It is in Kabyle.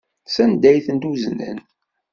Sanda ay ten-uznen?